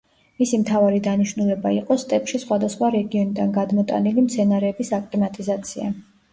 მისი მთავარი დანიშნულება იყო სტეპში სხვადასხვა რეგიონიდან გადმოტანილი მცენარეების აკლიმატიზაცია.